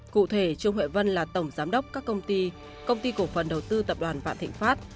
cụ thể trương huệ vân là tổng giám đốc các công ty công ty cổ phần đầu tư tập đoàn vạn thịnh pháp